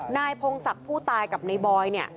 นายพงศักดิ์ศรีผู้ตายกับนายบอย